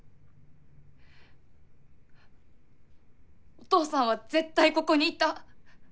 お父さんは絶対ここにいた。